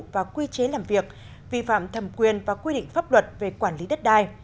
và quy chế làm việc vi phạm thẩm quyền và quy định pháp luật về quản lý đất đai